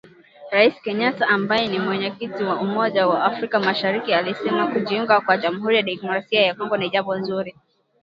Rais Kenyatta ambaye ni Mwenyekiti wa umoja wa afrika mashariki alisema kujiunga kwa Jamuhuri ya Demokrasia ya Kongo ni jambo zuri